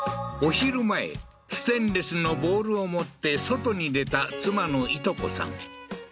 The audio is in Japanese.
昼前ステンレスのボウルを持って外に出た妻のイト子さん